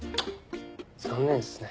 残念っすね。